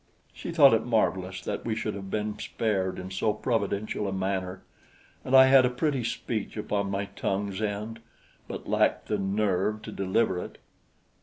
She thought it marvelous that we should have been spared in so providential a manner, and I had a pretty speech upon my tongue's end, but lacked the nerve to deliver it.